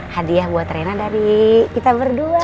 hadiah buat rena dari kita berdua